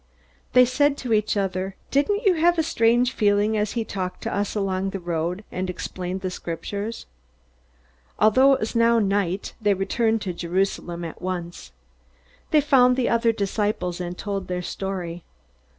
They said to each other, "Didn't you have a strange feeling, as he talked to us along the road and explained the Scriptures?" Although it was now night, they returned to Jerusalem at once. They found the other disciples and told their story.